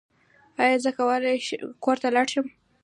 ایا زه کور ته لاړ شم؟